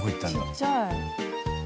ちっちゃい。